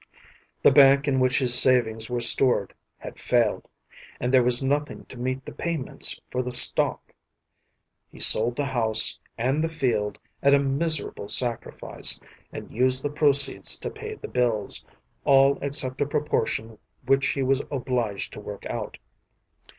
The bank in which his savings were stored had failed, and there was nothing to meet the payments for the stock. He sold the house and the field at a miserable sacrifice, and used the proceeds to pay the bills, all except a proportion which he was obliged to work out.